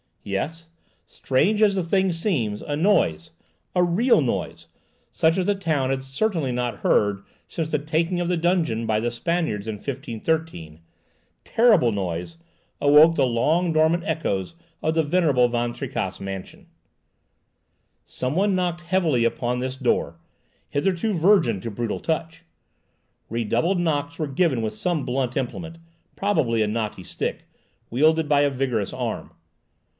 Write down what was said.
Yes! Strange as the thing seems, a noise—a real noise, such as the town had certainly not heard since the taking of the donjon by the Spaniards in 1513—terrible noise, awoke the long dormant echoes of the venerable Van Tricasse mansion. Some one knocked heavily upon this door, hitherto virgin to brutal touch! Redoubled knocks were given with some blunt implement, probably a knotty stick, wielded by a vigorous arm.